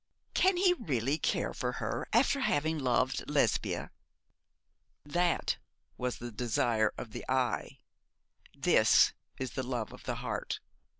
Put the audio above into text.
'Can he really care for her, after having loved Lesbia?' 'That was the desire of the eye, this is the love of the heart.